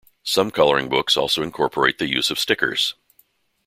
Some coloring books also incorporate the use of stickers.